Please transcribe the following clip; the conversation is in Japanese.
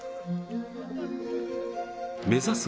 目指す